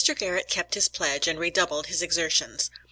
Garrett kept his pledge and redoubled his exertions.